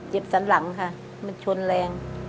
สันหลังค่ะมันชนแรง